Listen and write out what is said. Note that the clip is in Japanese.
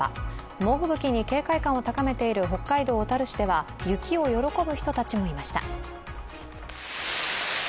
猛吹雪に警戒感を高めている北海道小樽市では雪を喜ぶ人たちもいました。